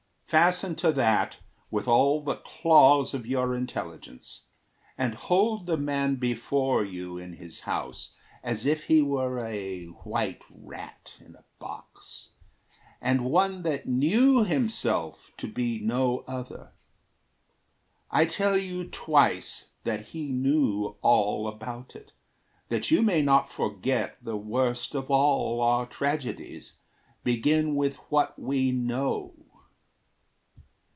Fasten to that With all the claws of your intelligence; And hold the man before you in his house As if he were a white rat in a box, And one that knew himself to be no other. I tell you twice that he knew all about it, That you may not forget the worst of all Our tragedies begin with what we know.